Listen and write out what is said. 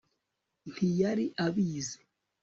ntiyari abizi